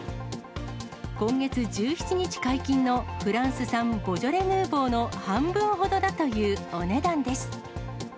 今月１７日解禁のフランス産ボジョレ・ヌーボーの、半分ほどだというお値段です。